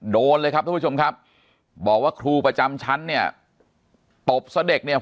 โดนเลยครับทุกผู้ชมครับบอกว่าครูประจำชั้นเนี่ยตบซะเด็กเนี่ย